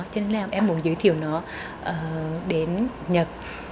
cho nên là em muốn giới thiệu nó đến nhật